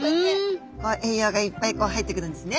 栄養がいっぱい入ってくるんですね。